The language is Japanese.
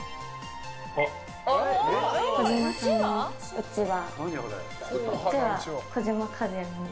児嶋さんのうちわ。